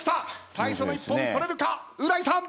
最初の一本取れるか⁉う大さん。